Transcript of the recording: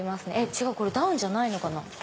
違うダウンじゃないのかな？